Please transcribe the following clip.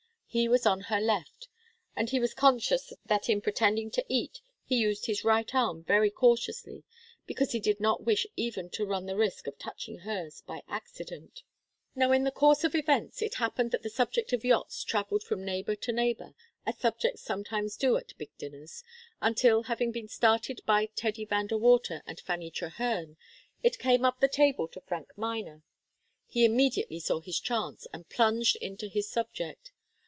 He was on her left, and he was conscious that in pretending to eat he used his right arm very cautiously because he did not wish even to run the risk of touching hers by accident. Now, in the course of events, it happened that the subject of yachts travelled from neighbour to neighbour, as subjects sometimes do at big dinners, until, having been started by Teddy Van De Water and Fanny Trehearne, it came up the table to Frank Miner. He immediately saw his chance, and plunged into his subject.